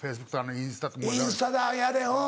インスタだやれおう。